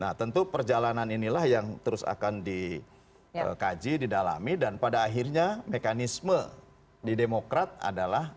nah tentu perjalanan inilah yang terus akan dikaji didalami dan pada akhirnya mekanisme di demokrat adalah